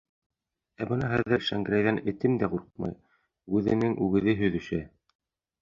Ә бына хәҙер Шәңгәрәйҙән этем дә ҡурҡмай, үгеҙенең үгеҙе һөҙөшә!